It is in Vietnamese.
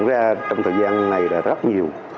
nói ra trong thời gian này là rất nhiều